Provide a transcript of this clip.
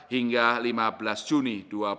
hingga lima belas juni dua ribu dua puluh